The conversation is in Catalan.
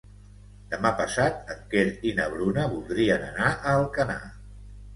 Demà passat en Quer i na Bruna voldrien anar a Alcanar.